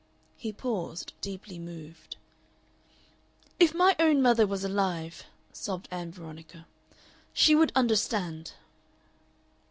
He paused, deeply moved. "If my own mother was alive," sobbed Ann Veronica, "she would understand."